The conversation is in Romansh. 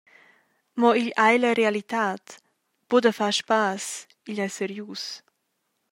Mo igl ei la realitad, buca da far spass, igl ei serius.